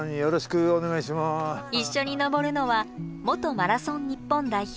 一緒に登るのは元マラソン日本代表